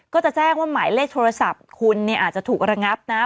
ก็จะแจ้งว่าหมายเลขโทรศัพท์คุณเนี่ยอาจจะถูกระงับนะ